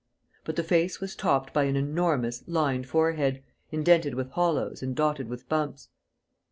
But the face was topped by an enormous, lined forehead, indented with hollows and dotted with bumps.